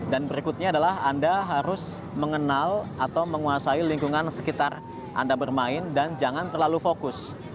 dan berikutnya adalah anda harus mengenal atau menguasai lingkungan sekitar anda bermain dan jangan terlalu fokus